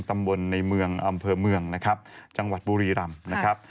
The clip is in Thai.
ตำบลในเมืองอำเภอเมืองนะครับจังหวัดบุรีรำนะครับ